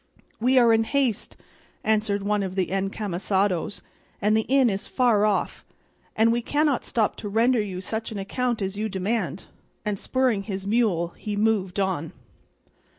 "We are in haste," answered one of the encamisados, "and the inn is far off, and we cannot stop to render you such an account as you demand;" and spurring his mule he moved on.